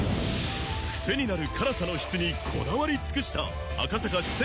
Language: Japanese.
クセになる辛さの質にこだわり尽くした赤坂四川